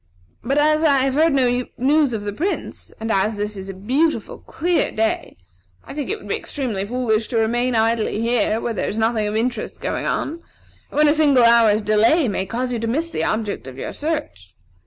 But as I have heard no news of the Prince, and as this is a beautiful, clear day, I think it would be extremely foolish to remain idly here, where there is nothing of interest going on, and when a single hour's delay may cause you to miss the object of your search.